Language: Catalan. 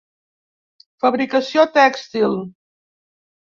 Fabricació tèxtil.